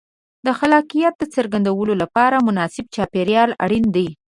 د خلاقیت د څرګندولو لپاره مناسب چاپېریال اړین دی.